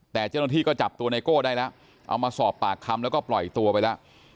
แต่เจ้าหน้าที่ก็จับตัวไนโก้ได้แล้วเอามาสอบปากคำแล้วก็ปล่อยตัวไปแล้ว